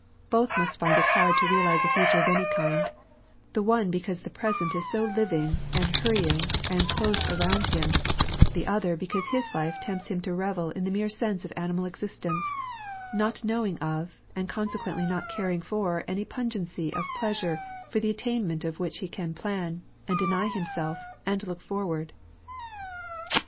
Both must find it hard to realise a future of any kind; the one because the present is so living and hurrying and close around him; the other because his life tempts him to revel in the mere sense of animal existence, not knowing of, and consequently not caring for any pungency of pleasure, for the attainment of which he can plan, and deny himself and look forward."